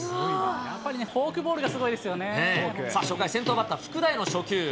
やっぱりね、フォークボールさあ、初回、先頭バッター、ふくだへの初球。